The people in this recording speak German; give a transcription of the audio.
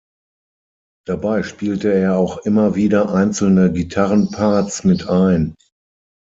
Dabei spielte er auch immer wieder einzelne Gitarrenparts mit ein.